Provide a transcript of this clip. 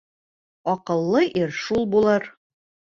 Аҡыллы ир шул булыр: